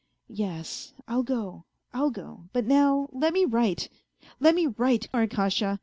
"Yes, I'll go, I'll go. But now let me write, let me write, AT kasha.